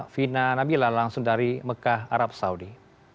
vina nabila langsung dari mekah arab saudi